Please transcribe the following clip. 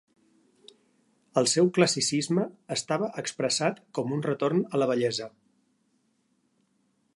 El seu classicisme estava expressat com un retorn a la bellesa.